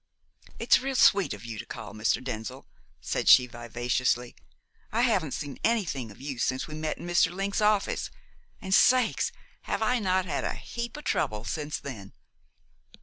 "It's real sweet of you to call, Mr. Denzil," said she vivaciously. "I haven't seen anything of you since we met in Mr. Link's office. And sakes! have I not had a heap of trouble since then?"